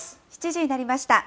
７時になりました。